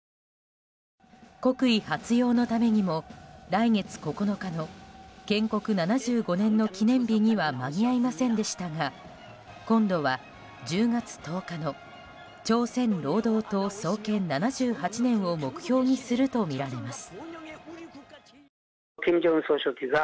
国威発揚のためにも、来月９日の建国７５年の記念日には間に合いませんでしたが今度は１０月１０日の朝鮮労働党創建７８年を目標にするとみられます。